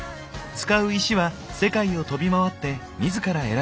使う石は世界を飛び回って自ら選びぬいたもの。